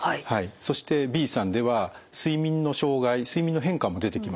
そしてＢさんでは睡眠の障害睡眠の変化も出てきましたね。